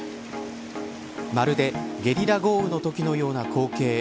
まるで、ゲリラ豪雨のときのような光景。